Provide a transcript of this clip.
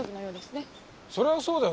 それはそうだよ。